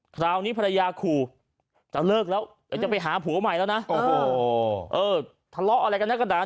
คราวนี้ภรรยาขุจะเลิกแล้วจะไปหาผัวใหม่แล้วนะเออทะเลาะอะไรกันเนื้อกระดาน